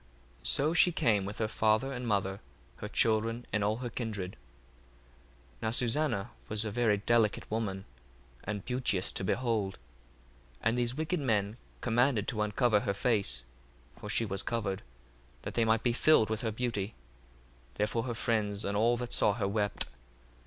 1:30 So she came with her father and mother, her children, and all her kindred. 1:31 Now Susanna was a very delicate woman, and beauteous to behold. 1:32 And these wicked men commanded to uncover her face, (for she was covered) that they might be filled with her beauty. 1:33 Therefore her friends and all that saw her wept.